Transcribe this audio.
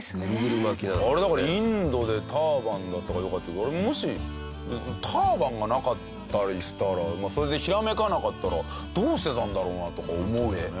あれだからインドでターバンだったからよかったけどあれもしターバンがなかったりしたらそれでひらめかなかったらどうしてたんだろうなとか思うよね。